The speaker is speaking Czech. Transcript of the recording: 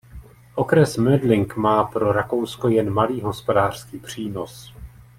Okres Mödling má pro Rakousko jen malý hospodářský přínos.